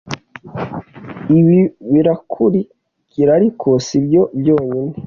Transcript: ibi birakuriariko si byo byonyine